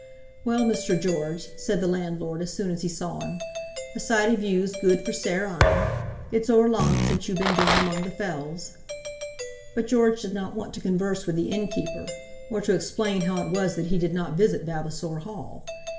"Well, Mr. George," said the landlord as soon as he saw him, "a sight of you's guid for sair een. It's o'er lang since you've been doon amang the fells." But George did not want to converse with the innkeeper, or to explain how it was that he did not visit Vavasor Hall.